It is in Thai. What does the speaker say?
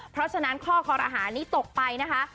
เพราะฉะนั้นข้อคอรหานี้ตกไปนะคะ